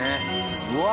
うわ！